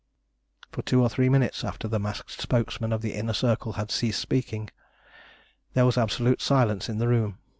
For two or three minutes after the masked spokesman of the Inner Circle had ceased speaking, there was absolute silence in the room.